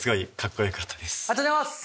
ありがとうございます！